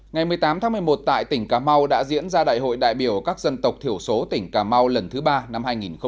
ngày một mươi tám tháng một mươi một tại tỉnh cà mau đã diễn ra đại hội đại biểu các dân tộc thiểu số tỉnh cà mau lần thứ ba năm hai nghìn một mươi chín